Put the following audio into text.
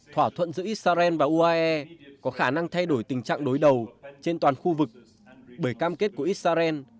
thỏa thuận giữa israel và uae có khả năng thay đổi tình trạng đối đầu trên toàn khu vực bởi cam kết của israel